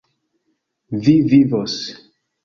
Vi vivos.